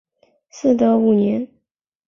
嗣德五年。